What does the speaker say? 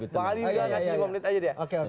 lima menit saja deh